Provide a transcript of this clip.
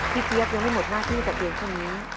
เจี๊ยบยังไม่หมดหน้าที่แต่เพียงเท่านี้